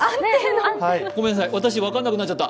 ごめんなさい、私、分からなくなっちゃった。